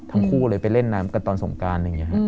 ทั้งคู่เลยไปเล่นน้ำกันตอนสงการ